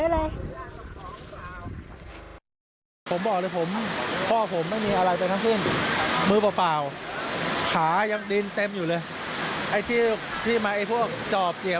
และยากขอผมวิ่งวิ่งเข้าวิ่งจับเนี่ย